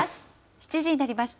７時になりました。